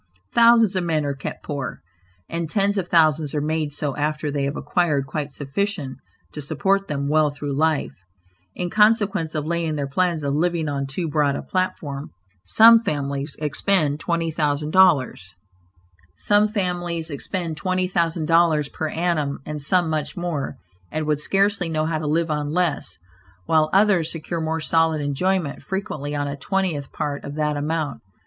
Thousands of men are kept poor, and tens of thousands are made so after they have acquired quite sufficient to support them well through life, in consequence of laying their plans of living on too broad a platform. Some families expend twenty thousand dollars per annum, and some much more, and would scarcely know how to live on less, while others secure more solid enjoyment frequently on a twentieth part of that amount.